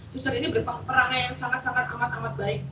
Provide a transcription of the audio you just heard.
suster ini berperangnya yang sangat sangat amat amat baik